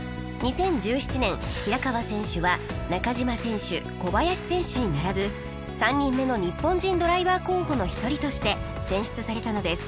２０１７年平川選手は中嶋選手小林選手に並ぶ３人目の日本人ドライバー候補の一人として選出されたのです